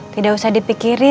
tidak usah dipikirin